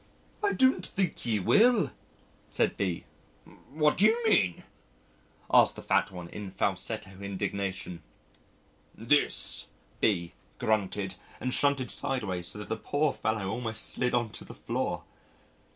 "I don't think you will," said B . "What do you mean?" asked the fat one in falsetto indignation. "This," B grunted, and shunted sideways so that the poor fellow almost slid on to the floor.